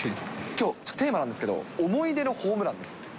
きょう、ちょっとテーマなんですけど、思いでのホームランです。